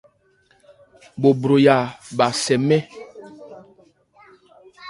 Bho hrɔ́yá bha sé mɛn.